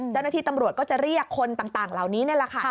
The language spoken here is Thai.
เจ้าหน้าที่ตำรวจก็จะเรียกคนต่างเหล่านี้นี่แหละค่ะ